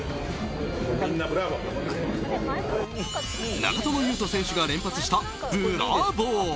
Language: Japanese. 長友佑都選手が連発したブラボー！